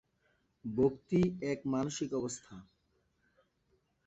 ভক্তি এক মানসিক অবস্থা।